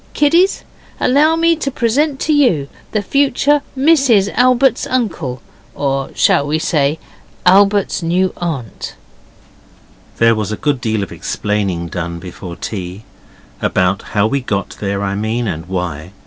'Kiddies, allow me to present you to the future Mrs Albert's uncle, or shall we say Albert's new aunt?' There was a good deal of explaining done before tea about how we got there, I mean, and why.